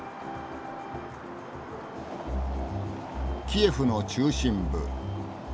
キエフの中心部。